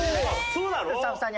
そうだろ？